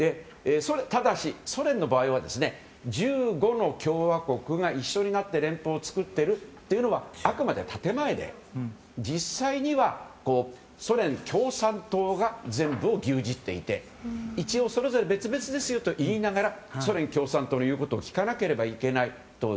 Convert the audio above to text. ただし、ソ連の場合は１５の共和国が一緒になって連邦を作っているというのは、あくまで建前で実際にはソ連共産党が全部を牛耳っていて一応、それぞれ別々ですよと言いながらソ連共産党の言うことを聞かなければいけない。